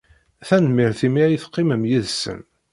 Tanemmirt imi ay teqqimem yid-sen.